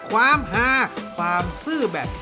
ความหาความสือแบบ